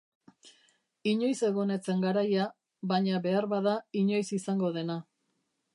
Inoiz egon ez zen garaia, baina beharbada inoiz izango dena.